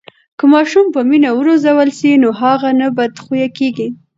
که ماشوم په مینه و روزل سي نو هغه نه بدخویه کېږي.